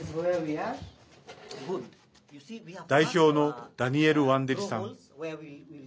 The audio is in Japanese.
代表のダニエル・ワンデリさん。